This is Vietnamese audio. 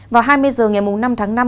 vào hai mươi h ngày năm tháng năm